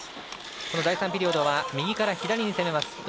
第３ピリオドは右から左に攻めます。